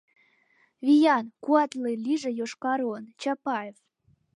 Виян, куатле лийже йошкар он — Чапаев!»